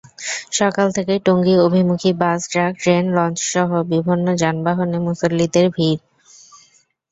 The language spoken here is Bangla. সকাল থেকেই টঙ্গী অভিমুখী বাস, ট্রাক, ট্রেন, লঞ্চসহ বিভিন্ন যানবাহনে মুসল্লিদের ভিড়।